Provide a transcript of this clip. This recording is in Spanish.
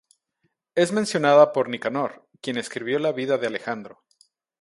Es mencionada por Nicanor, quien escribió la vida de Alejandro.